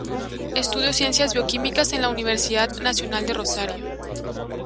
Estudió Ciencias Bioquímicas en la Universidad Nacional de Rosario.